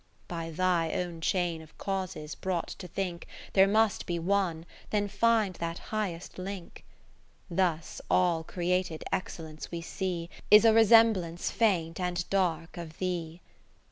By Thy own chain of causes brought to think There must be one, then find that highest link. ( 547 ) N Thus all created Excellence we see Is a resembla nee faint and dark of Thee.